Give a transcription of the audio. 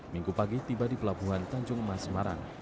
minggu pagi tiba di pelabuhan tanjung emas semarang